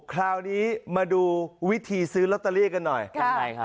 คราวนี้มาดูวิธีซื้อลอตเตอรี่กันหน่อยทำไมคะ